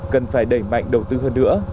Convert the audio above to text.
cần phải đẩy mạnh đầu tư hơn nữa